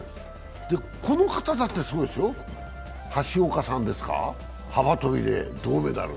この方だってすごいですよ、橋岡さんですか幅跳びで銅メダル。